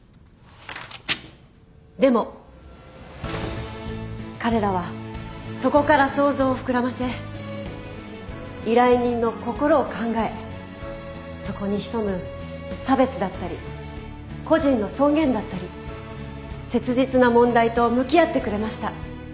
でも彼らはそこから想像を膨らませ依頼人の心を考えそこに潜む差別だったり個人の尊厳だったり切実な問題と向き合ってくれました。